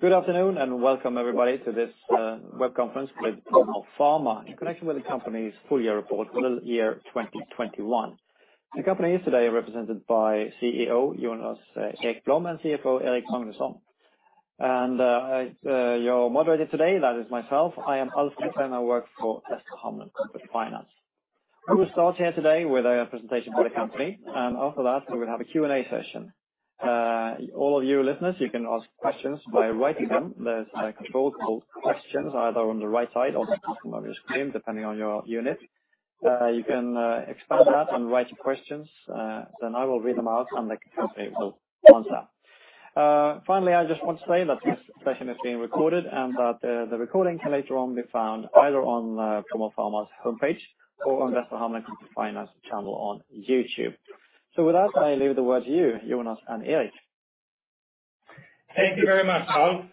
Good afternoon, and welcome everybody to this web conference with Promore Pharma in connection with the company's full year report for the year 2021. The company is today represented by CEO Jonas Ekblom and CFO Erik Magnusson. Your moderator today, that is myself. I am Alf Gustavsson. I work for DNB. We will start here today with a presentation for the company, and after that, we will have a Q&A session. All of you listeners, you can ask questions by writing them. There's a control called Questions, either on the right side or the bottom of your screen, depending on your unit. You can expand that and write your questions, then I will read them out, and the company will answer. Finally, I just want to say that this session is being recorded and that the recording can later on be found either on Promore Pharma's homepage or on DNB's channel on YouTube. With that, I leave the word to you, Jonas and Erik. Thank you very much, Alf.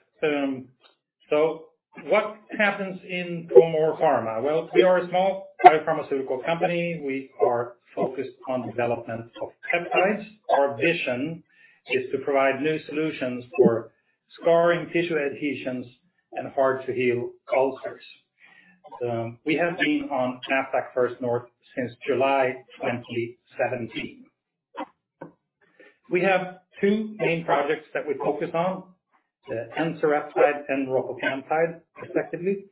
What happens in Promore Pharma? Well, we are a small biopharmaceutical company. We are focused on development of peptides. Our vision is to provide new solutions for scarring, tissue adhesions, and hard-to-heal ulcers. We have been on Nasdaq First North since July 2017. We have two main projects that we focus on, the Ensereptide and Ropocamptide, respectively.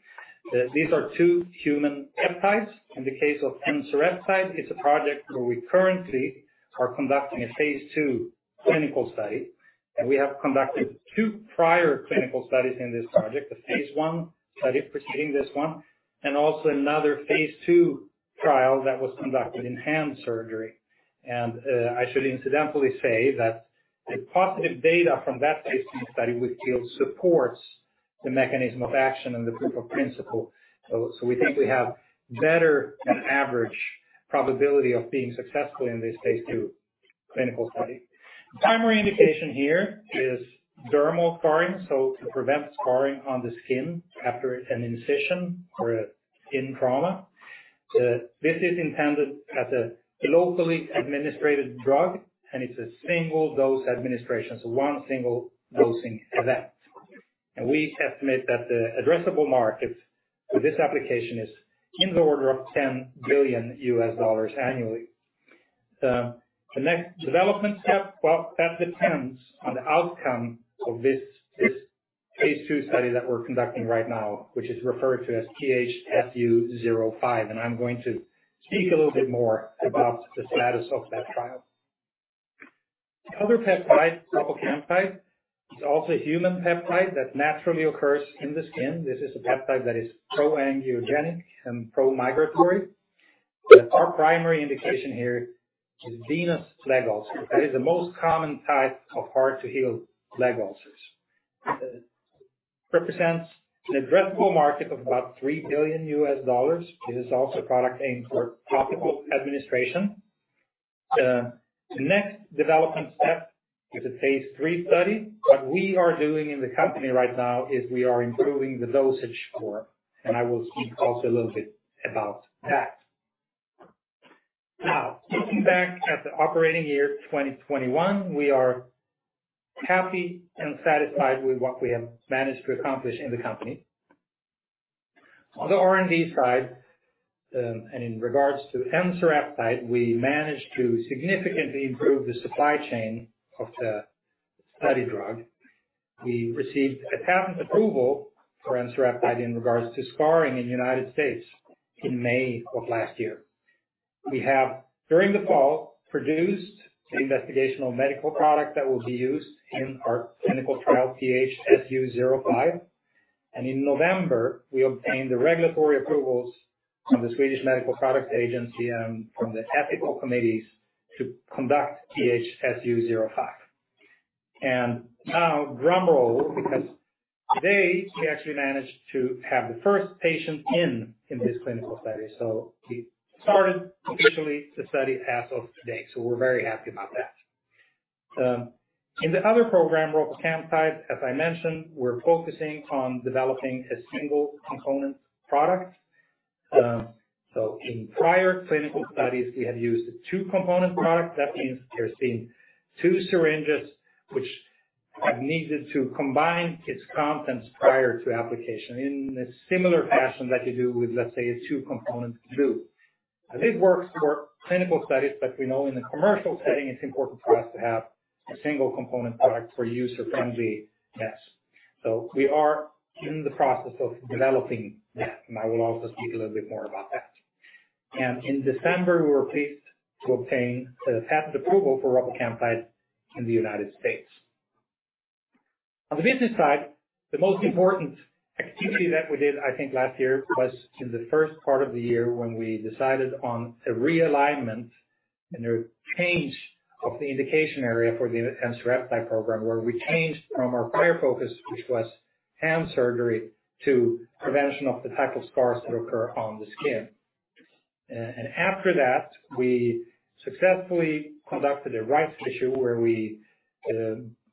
These are two human peptides. In the case of Ensereptide, it is a project where we currently are conducting a phase II clinical study, and we have conducted two prior clinical studies in this project. The phase I study preceding this one, and also another phase II trial that was conducted in hand surgery. I should incidentally say that the positive data from that phase II study we feel supports the mechanism of action and the proof of principle. We think we have better than average probability of being successful in this phase II clinical study. Primary indication here is dermal scarring, so to prevent scarring on the skin after an incision or a skin trauma. This is intended as a locally administered drug, and it's a single dose administration. One single dosing event. We estimate that the addressable market for this application is in the order of $10 billion annually. The next development step, well, that depends on the outcome of this phase II study that we're conducting right now, which is referred to as PHSU05, and I'm going to speak a little bit more about the status of that trial. The other peptide, Ropocamptide, is also a human peptide that naturally occurs in the skin. This is a peptide that is pro-angiogenic and pro-migratory. Our primary indication here is venous leg ulcer. That is the most common type of hard-to-heal leg ulcers. It represents an addressable market of about $3 billion. It is also a product aimed for topical administration. The next development step is a phase III study. What we are doing in the company right now is we are improving the dosage form, and I will speak also a little bit about that. Now, looking back at the operating year 2021, we are happy and satisfied with what we have managed to accomplish in the company. On the R&D side, and in regards to Ensereptide, we managed to significantly improve the supply chain of the study drug. We received a patent approval for Ensereptide in regards to scarring in the United States in May of last year. We have, during the fall, produced the investigational medical product that will be used in our clinical trial, PHSU05. In November, we obtained the regulatory approvals from the Swedish Medical Products Agency and from the ethical committees to conduct PHSU05. Now, drumroll, because today we actually managed to have the first patient in this clinical study. We started officially the study as of today. We're very happy about that. In the other program, Ropocamptide, as I mentioned, we're focusing on developing a single component product. In prior clinical studies, we have used a two-component product. That means there's been two syringes which have needed to combine its contents prior to application. In a similar fashion that you do with, let's say, a two-component glue. It works for clinical studies, but we know in the commercial setting it's important for us to have a single component product for user-friendly use. We are in the process of developing that, and I will also speak a little bit more about that. In December, we were pleased to obtain the patent approval for Ropocamptide in the United States. On the business side, the most important activity that we did, I think, last year, was in the first part of the year when we decided on a realignment and a change of the indication area for the Ensereptide program, where we changed from our prior focus, which was hand surgery, to prevention of the type of scars that occur on the skin. After that, we successfully conducted a rights issue where we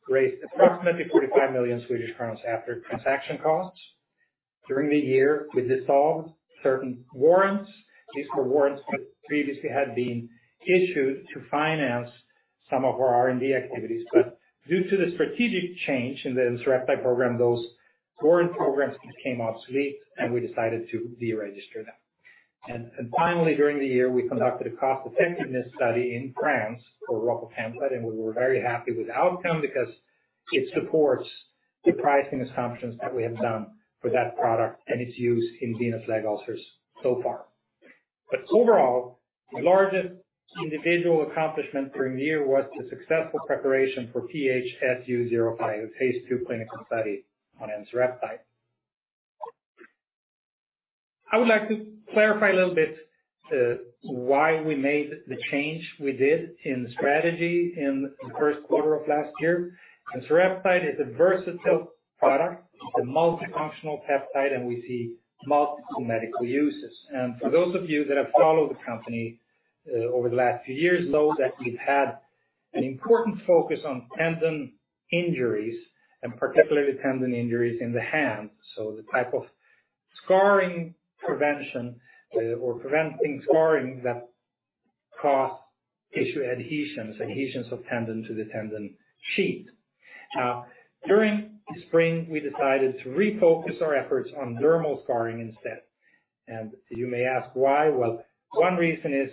raised approximately 45 million Swedish crowns after transaction costs. During the year, we dissolved certain warrants. These were warrants that previously had been issued to finance some of our R&D activities. Due to the strategic change in the Ensereptide program, those warrant programs became obsolete, and we decided to de-register them. Finally, during the year, we conducted a cost-effectiveness study in France for Ropocamptide, and we were very happy with the outcome because it supports the pricing assumptions that we have done for that product and its use in venous leg ulcers so far. Overall, the largest individual accomplishment during the year was the successful preparation for PHSU05, a phase II clinical study on Ensereptide. I would like to clarify a little bit why we made the change we did in strategy in the first quarter of last year. Ensereptide is a versatile product. It's a multifunctional peptide, and we see multiple medical uses. For those of you that have followed the company over the last few years know that we've had an important focus on tendon injuries and particularly tendon injuries in the hand. The type of scarring prevention or preventing scarring that cause tissue adhesions of tendon to the tendon sheath. During the spring, we decided to refocus our efforts on dermal scarring instead. You may ask why. Well, one reason is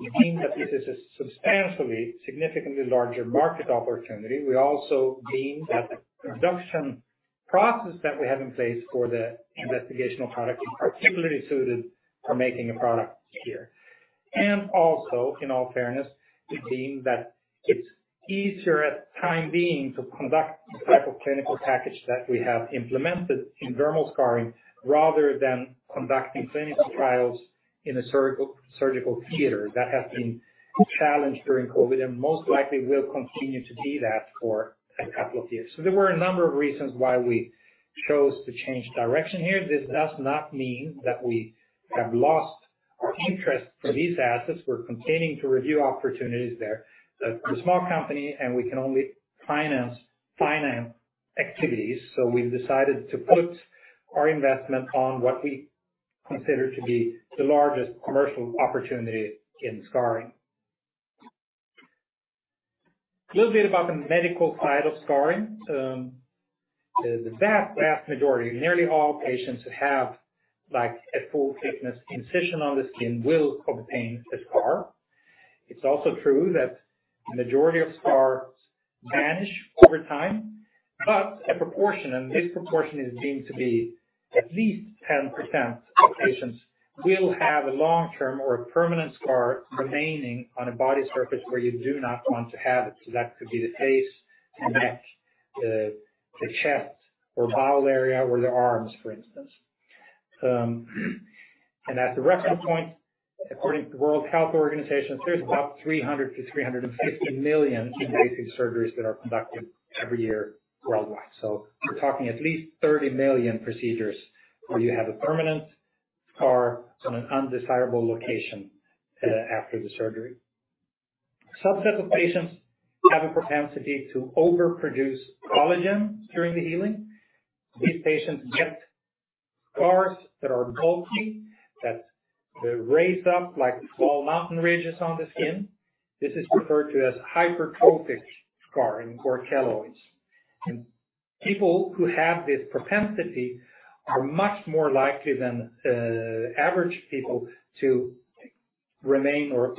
we deemed that this is a substantially significantly larger market opportunity. We also deemed that the production process that we have in place for the investigational product is particularly suited for making a product here. Also, in all fairness, we deemed that it's easier at the time being to conduct the type of clinical package that we have implemented in dermal scarring rather than conducting clinical trials in a surgical theater. That has been a challenge during COVID and most likely will continue to be that for a couple of years. There were a number of reasons why we chose to change direction here. This does not mean that we have lost our interest for these assets. We're continuing to review opportunities there. We're a small company, and we can only finance finite activities. We've decided to put our investment on what we consider to be the largest commercial opportunity in scarring. A little bit about the medical side of scarring. The vast majority, nearly all patients that have like a full-thickness incision on the skin will obtain a scar. It's also true that the majority of scars vanish over time. A proportion, and this proportion is deemed to be at least 10% of patients, will have a long-term or a permanent scar remaining on a body surface where you do not want to have it. That could be the face, the neck, the chest or bowel area or the arms, for instance. At the recent point, according to the World Health Organization, there's about 300 to 350 million invasive surgeries that are conducted every year worldwide. We're talking at least 30 million procedures where you have a permanent scar on an undesirable location after the surgery. subset of patients have a propensity to overproduce collagen during the healing. These patients get scars that are bulky, that they're raised up like small mountain ridges on the skin. This is referred to as hypertrophic scarring or keloids. People who have this propensity are much more likely than average people to remain or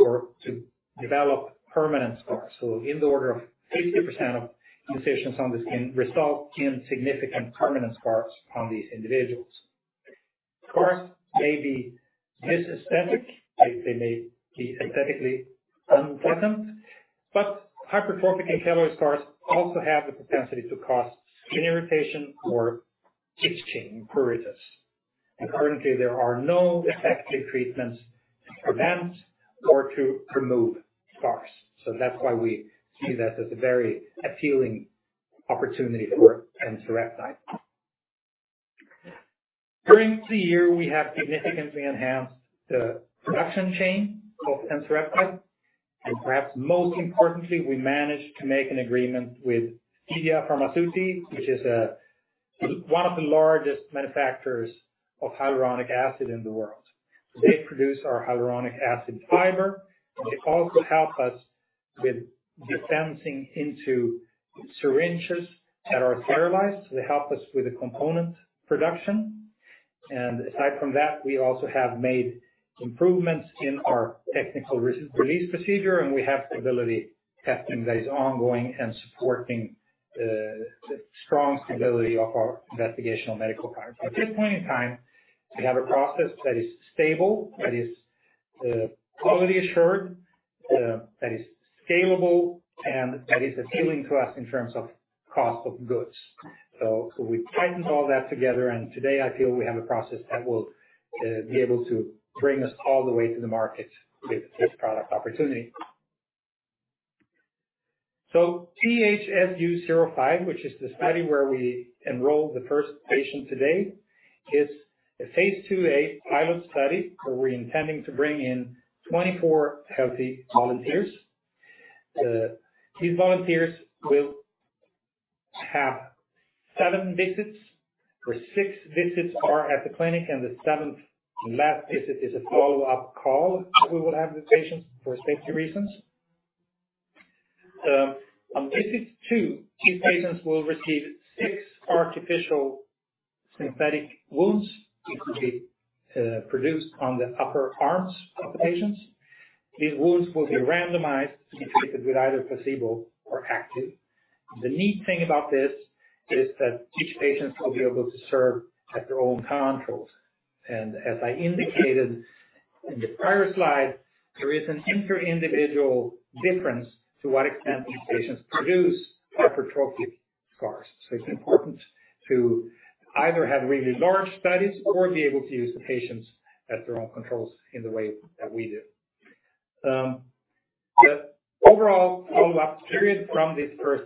to develop permanent scars. In the order of 50% of incisions on the skin result in significant permanent scars on these individuals. Scars may be disaesthetic, like they may be aesthetically unpleasant, but hypertrophic and keloid scars also have the propensity to cause skin irritation or itching, pruritus. Currently, there are no effective treatments to prevent or to remove scars. That's why we see that as a very appealing opportunity for Ensereptide. During the year, we have significantly enhanced the production chain of Ensereptide. Perhaps most importantly, we managed to make an agreement with CDMO, which is one of the largest manufacturers of hyaluronic acid in the world. They produce our hyaluronic acid fiber, and they also help us with dispensing into syringes that are sterilized. They help us with the component production. Aside from that, we also have made improvements in our technical re-release procedure, and we have stability testing that is ongoing and supporting the strong stability of our investigational medical product. At this point in time, we have a process that is stable, that is quality assured, that is scalable, and that is appealing to us in terms of cost of goods. We've tightened all that together, and today I feel we have a process that will be able to bring us all the way to the market with this product opportunity. PHSU05, which is the study where we enroll the first patient today, is a phase IIa pilot study where we're intending to bring in 24 healthy volunteers. These volunteers will have seven visits where six visits are at the clinic, and the seventh last visit is a follow-up call that we will have with patients for safety reasons. On visit two, these patients will receive six artificial synthetic wounds that will be produced on the upper arms of the patients. These wounds will be randomized to be treated with either placebo or active. The neat thing about this is that each patient will be able to serve as their own controls. As I indicated in the prior slide, there is an inter-individual difference to what extent these patients produce hypertrophic scars. It's important to either have really large studies or be able to use the patients as their own controls in the way that we do. The overall follow-up period from this first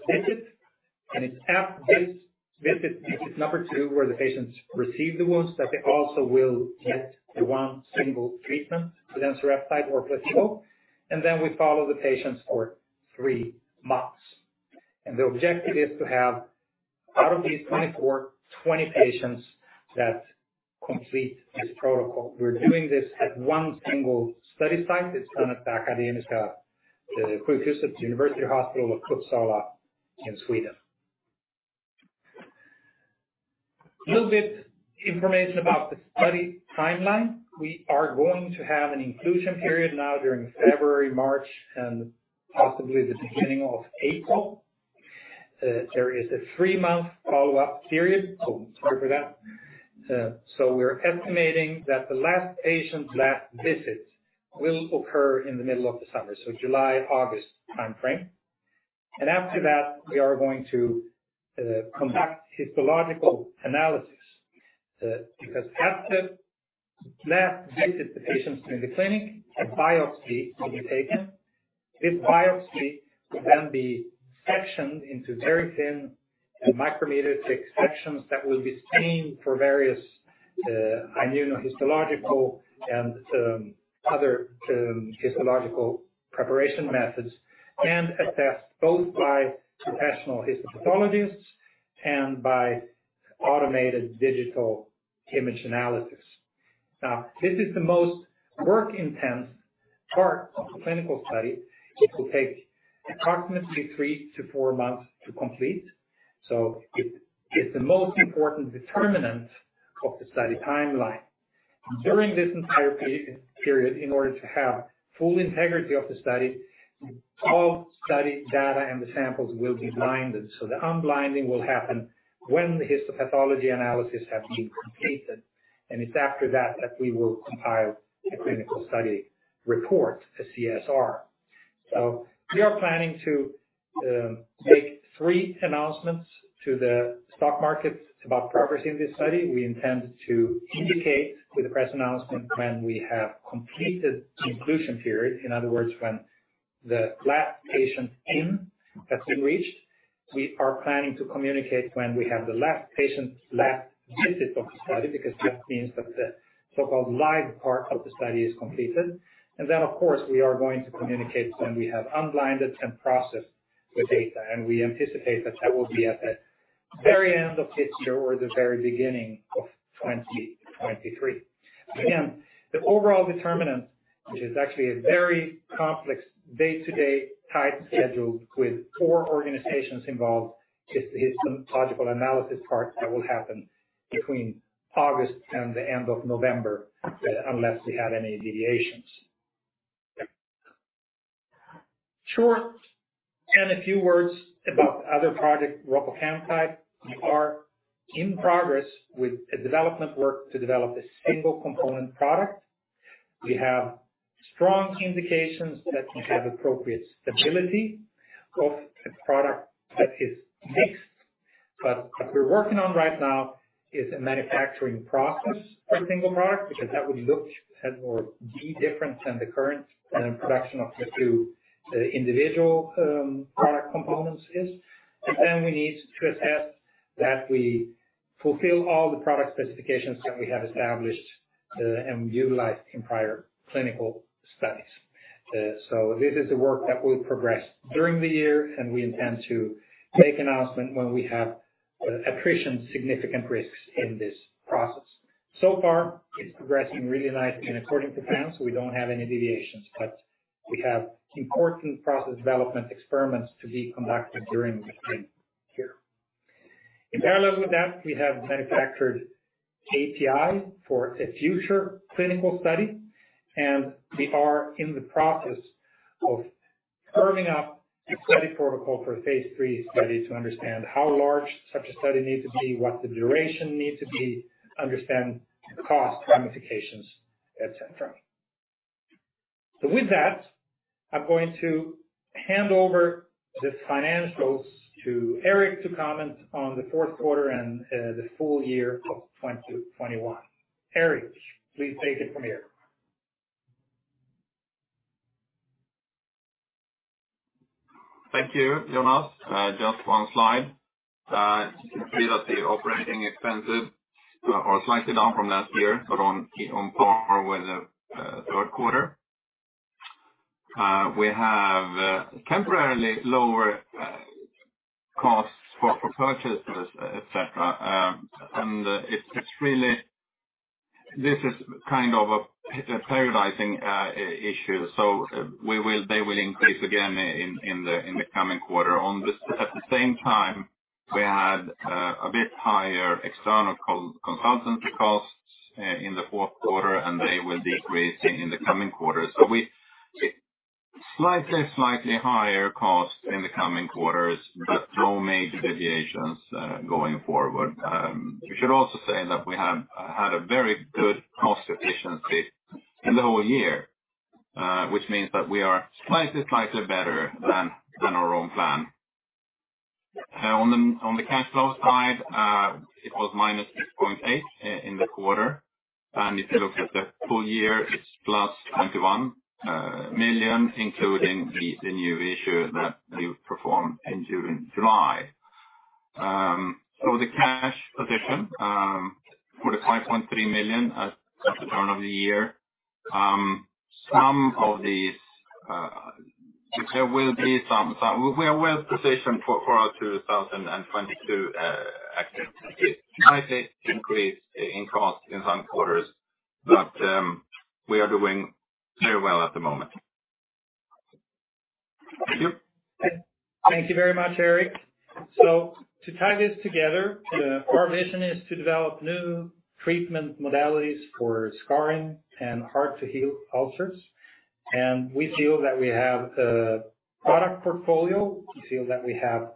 visit. It's at this visit number two, where the patients receive the wounds, but they also will get the one single treatment, the Ensereptide or placebo. We follow the patients for three months. The objective is to have out of these 24, 20 patients that complete this protocol. We're doing this at one single study site. It's done at Akademiska sjukhuset, Uppsala University Hospital in Sweden. A little bit of information about the study timeline. We are going to have an inclusion period now during February, March, and possibly the beginning of April. There is a three-month follow-up period. We're estimating that the last patient's last visit will occur in the middle of the summer, so July, August timeframe. After that, we are going to conduct histological analysis, because after the last visit, the patients in the clinic, a biopsy will be taken. This biopsy will then be sectioned into very thin micrometer thick sections that will be stained for various, immunohistological and other histological preparation methods, and assessed both by professional histopathologists and by automated digital image analysis. Now, this is the most work-intensive part of the clinical study. It will take approximately 3 to 4 months to complete, so it is the most important determinant of the study timeline. During this entire period, in order to have full integrity of the study, all study data and the samples will be blinded. The unblinding will happen when the histopathology analysis has been completed, and it's after that that we will compile a clinical study report, a CSR. We are planning to make three announcements to the stock markets about the progress in this study. We intend to indicate with the press announcement when we have completed the inclusion period. In other words, when the last patient's inclusion has been reached. We are planning to communicate when we have the last patient's last visit of the study, because that means that the so-called live part of the study is completed. Then of course, we are going to communicate when we have unblinded and processed the data, and we anticipate that that will be at the very end of this year or the very beginning of 2023. Again, the overall determinant, which is actually a very complex day-to-day tight schedule with four organizations involved, is the histological analysis part that will happen between August and the end of November, unless we have any deviations. Sure. A few words about the other project, Ropocamptide. We are in progress with a development work to develop a single component product. We have strong indications that we have appropriate stability of a product that is mixed. But what we're working on right now is a manufacturing process for the single product, because that would look a bit more different than the current production of the two individual product components is. Then we need to assess that we fulfill all the product specifications that we have established and utilized in prior clinical studies. This is a work that will progress during the year, and we intend to make announcement when we have identified significant risks in this process. So far, it's progressing really nicely and according to plan, so we don't have any deviations. We have important process development experiments to be conducted during this year. In parallel with that, we have manufactured API for a future clinical study, and we are in the process of firming up a study protocol for a phase III study to understand how large such a study needs to be, what the duration needs to be, understand the cost ramifications, etc. With that, I'm going to hand over the financials to Erik to comment on the fourth quarter and the full year of 2021. Erik, please take it from here. Thank you, Jonas. Just one slide. You can see that the operating expenses are slightly down from last year, but on par with the third quarter. We have temporarily lower costs for purchases, et cetera. This is kind of a periodizing issue. They will increase again in the coming quarter. At the same time, we had a bit higher external consultancy costs in the fourth quarter, and they will be increasing in the coming quarter. Slightly higher costs in the coming quarters, but no major deviations going forward. We should also say that we have had a very good cost efficiency in the whole year, which means that we are slightly better than our own plan. On the cash flow side, it was -6.8 million in the quarter. If you look at the full year, it's 21 million, including the new issue that we performed in June and July. The cash position for the 5.3 million at the turn of the year, some of these, there will be some. We are well-positioned for our 2022 activities. Slight increase in cost in some quarters, we are doing very well at the moment. Thank you. Thank you very much, Erik. To tie this together, our vision is to develop new treatment modalities for scarring and hard-to-heal ulcers. We feel that we have the product portfolio, we feel that we have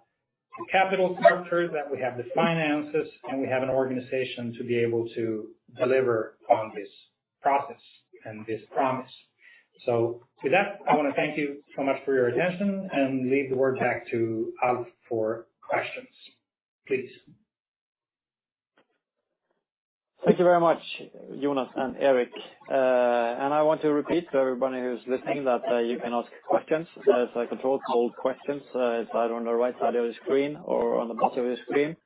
the capital structure, that we have the finances, and we have an organization to be able to deliver on this process and this promise. With that, I wanna thank you so much for your attention and leave the word back to Alf for questions, please. Thank you very much, Jonas and Erik. I want to repeat to everybody who's listening that you can ask questions. There's a control called Questions. It's either on the right side of the screen or on the bottom of the screen.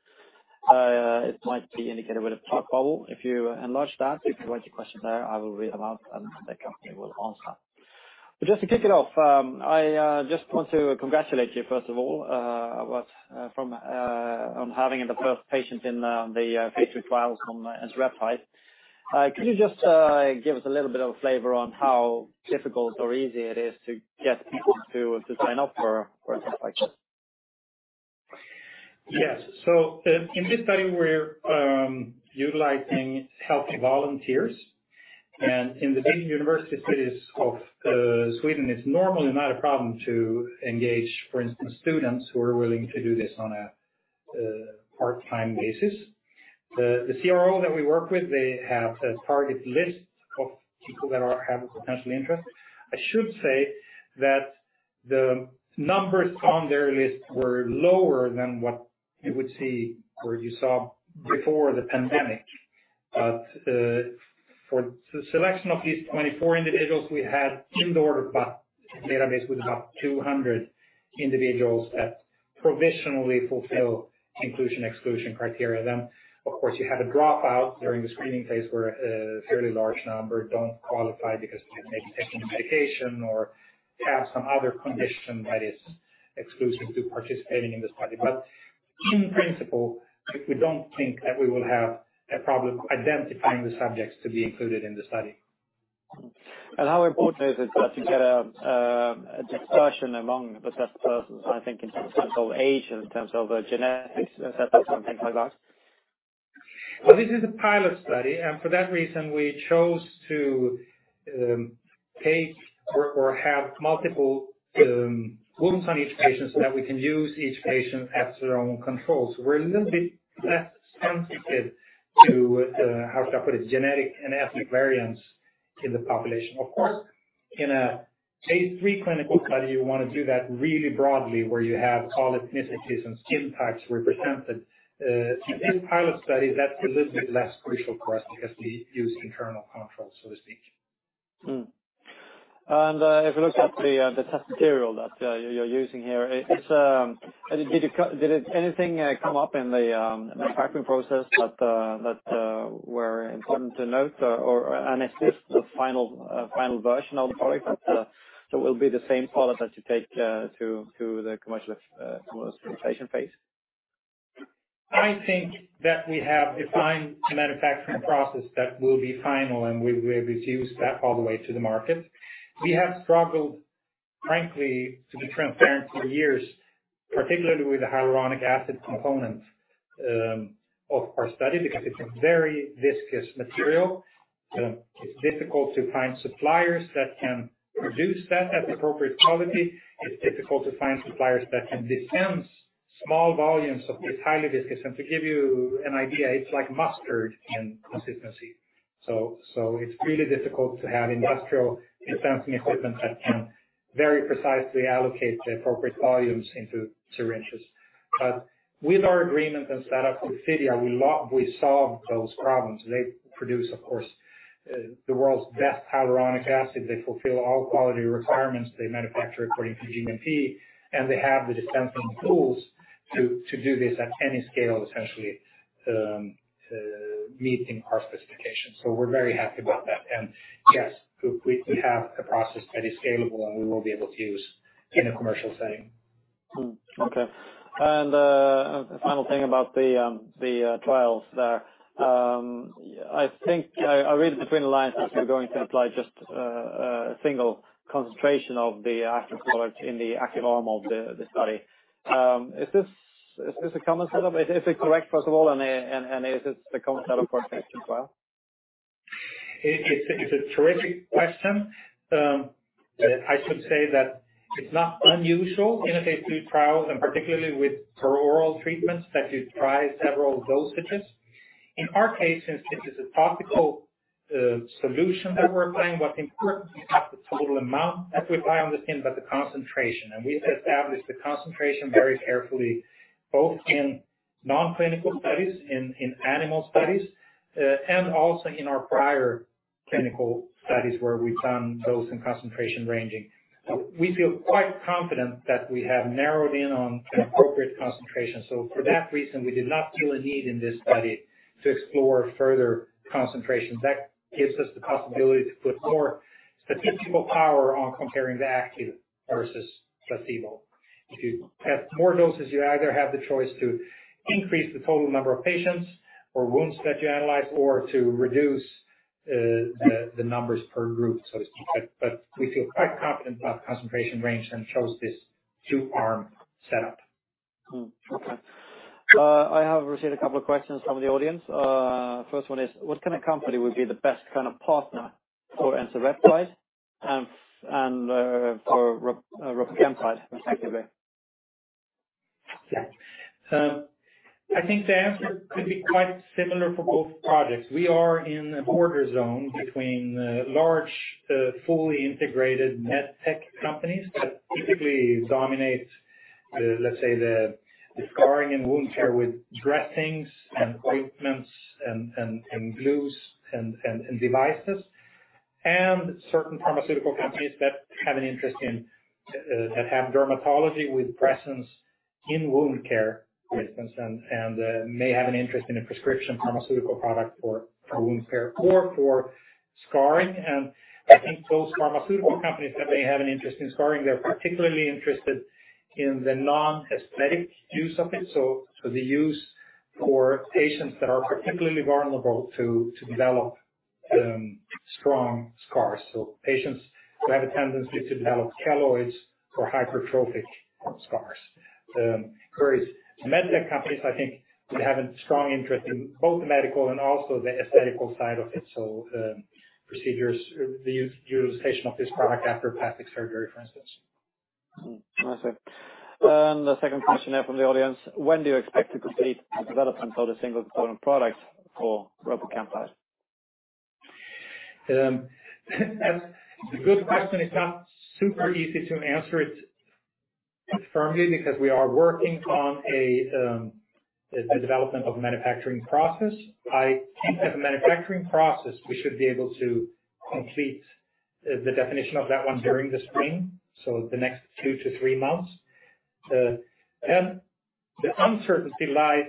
It might be indicated with a talk bubble. If you enlarge that, if you write your question there, I will read them out, and the company will answer. Just to kick it off, I just want to congratulate you, first of all, on having the first patient in the phase III trial on Ensereptide. Could you just give us a little bit of a flavor on how difficult or easy it is to get people to sign up for a study like this? Yes. In this study, we're utilizing healthy volunteers. In the big university cities of Sweden, it's normally not a problem to engage, for instance, students who are willing to do this on a part-time basis. The CRO that we work with, they have a target list of people that have a potential interest. I should say that the numbers on their list were lower than what you would see or you saw before the pandemic. For the selection of these 24 individuals, we had in the order of about a database with about 200 individuals that provisionally fulfill inclusion, exclusion criteria. Of course, you have a dropout during the screening phase where a fairly large number don't qualify because they're maybe taking a medication or have some other condition that is exclusive to participating in this study. In principle, we don't think that we will have a problem identifying the subjects to be included in the study. How important is it that you get a dispersion among the test persons, I think in terms of age, in terms of genetics, et cetera, and things like that? Well, this is a pilot study, and for that reason, we chose to have multiple wounds on each patient so that we can use each patient as their own control. We're a little bit less sensitive to, how should I put it, genetic and ethnic variance in the population. Of course, in a phase III clinical study, you wanna do that really broadly, where you have all ethnicities and skin types represented. In pilot studies, that's a little bit less crucial for us because we use internal controls, so to speak. If you look at the test material that you're using here, it's. Did anything come up in the manufacturing process that were important to note or and is this the final version of the product that will be the same product that you take to the commercial commercialization phase? I think that we have defined a manufacturing process that will be final, and we will use that all the way to the market. We have struggled, frankly, to be transparent, for years, particularly with the hyaluronic acid component of our study because it's a very viscous material. It's difficult to find suppliers that can produce that at the appropriate quality. It's difficult to find suppliers that can dispense small volumes of this highly viscous. To give you an idea, it's like mustard in consistency. It's really difficult to have industrial dispensing equipment that can very precisely allocate the appropriate volumes into syringes. But with our agreement and set up with Fidia, we solve those problems. They produce, of course, the world's best hyaluronic acid. They fulfill all quality requirements, they manufacture according to GMP, and they have the dispensing tools to do this at any scale, essentially, to meet our specifications. We're very happy about that. Yes, we have a process that is scalable, and we will be able to use in a commercial setting. Okay. A final thing about the trials there. I think I read between the lines that you're going to apply just a single concentration of the active molecule in the active arm of the study. Is this a common setup? Is it correct, first of all, and is this the common setup for a phase II trial? It's a terrific question. I should say that it's not unusual in a phase II trial, and particularly with per oral treatments, that you try several dosages. In our case, since this is a topical solution that we're applying, what's important is not the total amount that we apply on the skin, but the concentration. We've established the concentration very carefully, both in non-clinical studies, in animal studies, and also in our prior clinical studies where we've done dose and concentration ranging. We feel quite confident that we have narrowed in on an appropriate concentration. For that reason, we did not feel a need in this study to explore further concentrations. That gives us the possibility to put more statistical power on comparing the active versus placebo. If you have more doses, you either have the choice to increase the total number of patients or wounds that you analyze or to reduce the numbers per group, so to speak. But we feel quite confident about the concentration range and chose this two-arm setup. Okay. I have received a couple of questions from the audience. First one is, "What kind of company would be the best kind of partner for Ensereptide and for Ropocamptide, respectively? Yeah. I think the answer could be quite similar for both projects. We are in a border zone between large, fully integrated med tech companies that typically dominate the, let's say, the scarring and wound care with dressings and ointments and glues and devices. Certain pharmaceutical companies that have an interest in that have dermatology with presence in wound care, for instance, and may have an interest in a prescription pharmaceutical product for wound care or for scarring. I think those pharmaceutical companies that may have an interest in scarring, they're particularly interested in the non-aesthetic use of it. The use for patients that are particularly vulnerable to develop strong scars. Patients who have a tendency to develop keloids or hypertrophic scars. Whereas med tech companies, I think, would have a strong interest in both the medical and also the aesthetical side of it. Procedures, the utilization of this product after plastic surgery, for instance. I see. The second question here from the audience: "When do you expect to complete the development of the single-component product for Ropocamptide? That's a good question. It's not super easy to answer it firmly because we are working on the development of a manufacturing process. I think that the manufacturing process, we should be able to complete the definition of that one during the spring, so the next 2 to 3 months. The uncertainty lies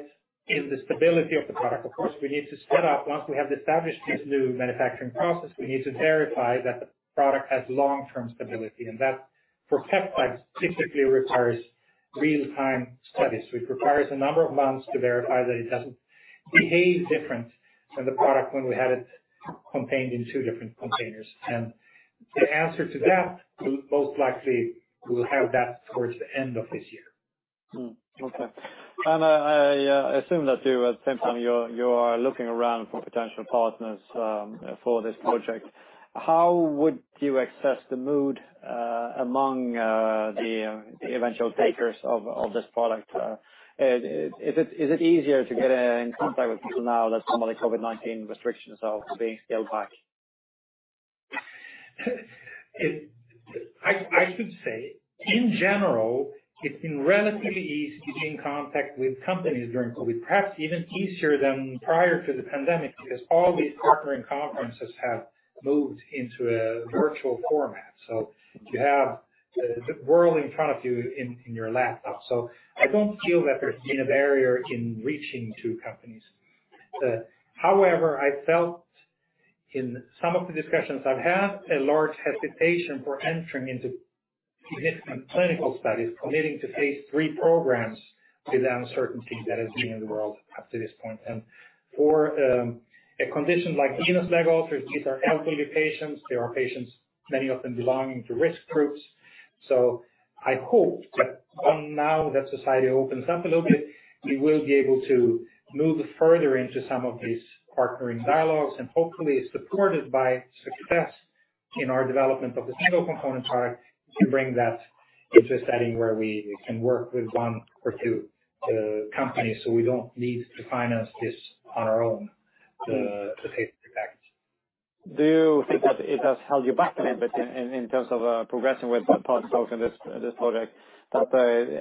in the stability of the product. Of course, we need to set up, once we have established this new manufacturing process, we need to verify that the product has long-term stability. That, for peptides specifically, requires real-time studies, which requires a number of months to verify that it doesn't behave different than the product when we had it contained in two different containers. The answer to that, we most likely will have that towards the end of this year. Okay. I assume that you, at the same time, you're looking around for potential partners for this project. How would you assess the mood among the eventual takers of this product? Is it easier to get in contact with people now that some of the COVID-19 restrictions are being scaled back? I should say, in general, it's been relatively easy to be in contact with companies during COVID. Perhaps even easier than prior to the pandemic, because all these partnering conferences have moved into a virtual format. You have the world in front of you in your laptop. I don't feel that there's been a barrier in reaching to companies. However, I felt in some of the discussions I've had, a large hesitation for entering into significant clinical studies committing to phase III programs with the uncertainty that has been in the world up to this point. For a condition like venous leg ulcers, these are elderly patients, many of them belonging to risk groups. I hope that now that society opens up a little bit, we will be able to move further into some of these partnering dialogues. Hopefully, supported by success in our development of the single-component product, to bring that into a setting where we can work with one or two companies, so we don't need to finance this on our own. To take the next. Do you think that it has held you back a bit in terms of progressing with partners talking this project, that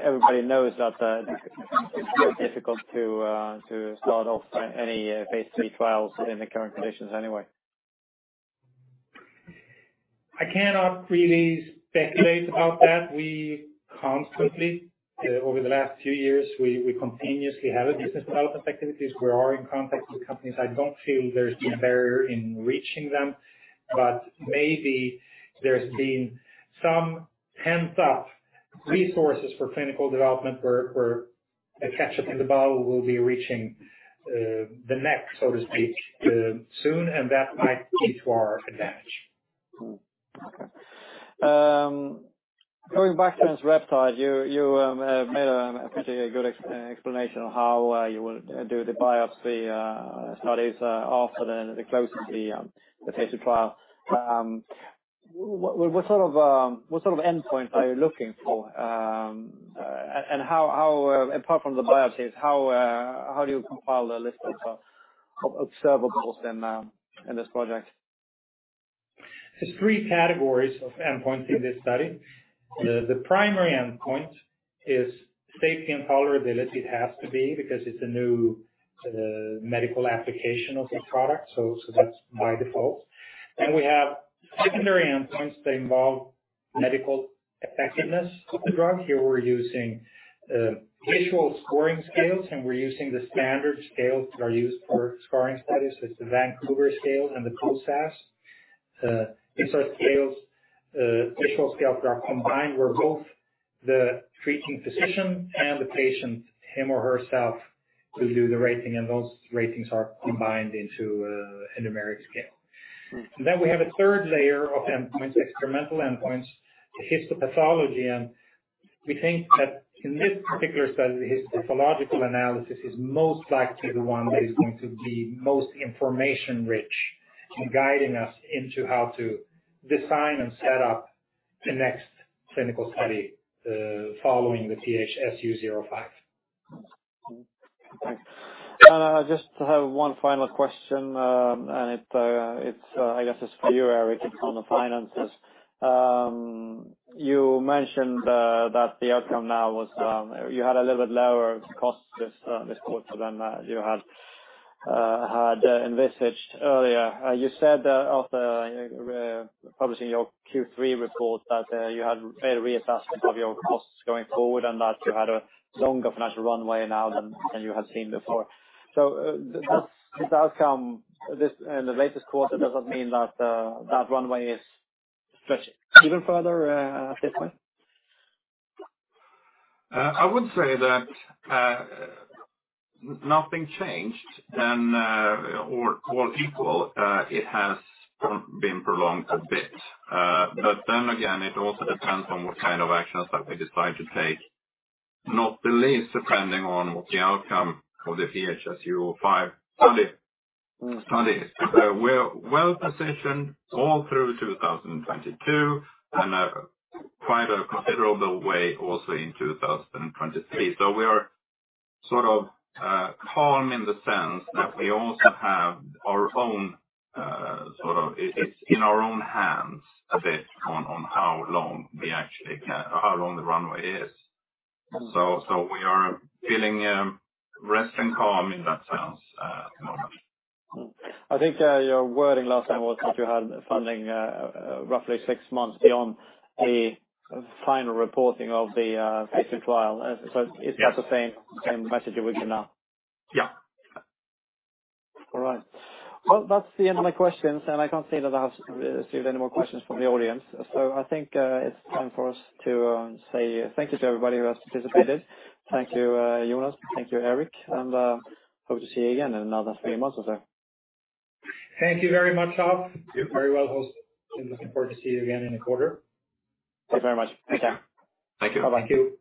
everybody knows that it's very difficult to start off any phase III trials in the current conditions anyway? I cannot really speculate about that. We constantly over the last few years we continuously have a business development activities. We are in contact with companies. I don't feel there's been a barrier in reaching them, but maybe there's been some pent-up resources for clinical development, where a catch-up in the bottle will be reaching the neck, so to speak, soon, and that might be to our advantage. Going back to Ensereptide, you made a pretty good explanation on how you will do the biopsy studies after the close of the patient trial. What sort of endpoint are you looking for? How, apart from the biopsies, do you compile a list of observables in this project? There's three categories of endpoints in this study. The primary endpoint is safety and tolerability. It has to be, because it's a new medical application of the product, so that's by default. We have secondary endpoints that involve medical effectiveness of the drug. Here, we're using visual scoring scales, and we're using the standard scales that are used for scoring studies. It's the Vancouver Scar Scale and the POSAS. These are scales, visual scales that are combined, where both the treating physician and the patient, him or herself, will do the rating, and those ratings are combined into a numeric scale. Mm-hmm. We have a third layer of endpoints, experimental endpoints, the histopathology, and we think that in this particular study, the histological analysis is most likely the one that is going to be most information rich in guiding us into how to design and set up the next clinical study following the PHSU05. Thanks. I just have one final question. I guess it’s for you, Erik. It’s on the finances. You mentioned that the outcome now was you had a little bit lower costs this quarter than you had envisaged earlier. You said after publishing your Q3 report that you had made a reassessment of your costs going forward and that you had a longer financial runway now than you had seen before. Does this outcome, this the latest quarter, does that mean that runway is stretching even further at this point? I would say that nothing changed and all equal it has been prolonged a bit. Again, it also depends on what kind of actions that we decide to take. Not the least, depending on what the outcome of the PHSU05 study is. We're well-positioned all through 2022, and quite a considerable way also in 2023. We are sort of calm in the sense that we also have our own sort of. It's in our own hands a bit on how long the runway is. Mm-hmm. We are feeling rested and calm in that sense at the moment. Cool. I think your wording last time was that you had funding roughly six months beyond the final reporting of the basic trial. Is that the same message you're giving now? Yeah. All right. Well, that's the end of my questions, and I can't see that I have received any more questions from the audience. I think it's time for us to say thank you to everybody who has participated. Thank you, Jonas. Thank you, Erik. Hope to see you again in another three months or so. Thank you very much, Alf Gustavsson. Very well hosted, and looking forward to see you again in a quarter. Thanks very much. Take care. Thank you. Thank you.